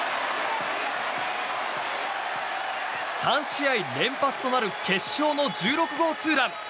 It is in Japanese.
３試合連発となる決勝の１６号ツーラン。